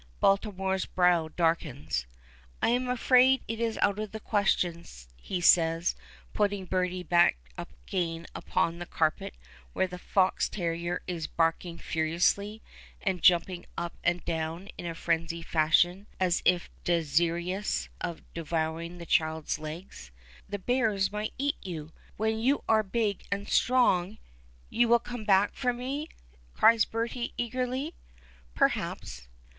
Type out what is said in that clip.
Baltimore's brow darkens. "I am afraid it is out of the question," he says, putting Bertie back again upon the carpet where the fox terrier is barking furiously and jumping up and down in a frenzied fashion as if desirous of devouring the child's legs. "The bears might eat you. When you are big and strong " "You will come back for me?" cries Bertie, eagerly. "Perhaps."